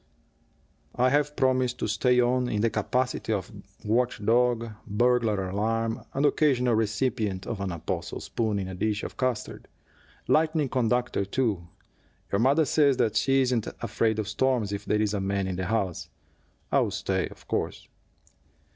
"I have promised to stay on, in the capacity of watch dog, burglar alarm, and occasional recipient of an apostle spoon in a dish of custard. Lightning conductor, too your mother says she isn't afraid of storms if there is a man in the house. I'll stay, of course."